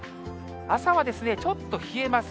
朝はちょっと冷えます。